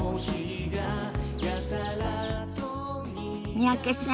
三宅さん